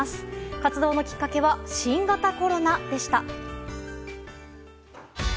活動のきっかけは新型コロナでした。